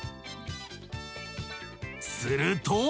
［すると］